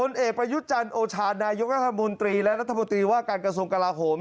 ในประยุจันทร์อาชานายกว่ามงตรีและนัฐมนตรีว่าการกระทรงกัลห่อม